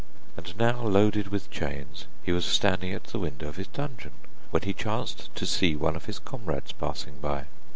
And now loaded with chains, he was standing at the window of his dungeon, when he chanced to see one of his comrades passing by.